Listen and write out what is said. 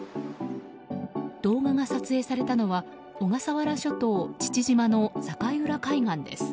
動画が撮影されたのは小笠原諸島・父島の境浦海岸です。